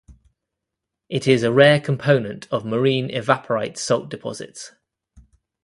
It is a rare component of marine evaporite salt deposits.